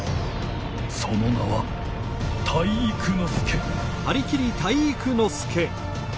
その名は体育ノ介。